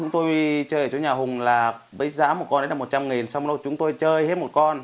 tôi chơi ở chỗ nhà hùng là với giá một con đấy là một trăm linh nghìn xong rồi chúng tôi chơi hết một con